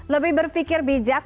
lebih berpikir bijak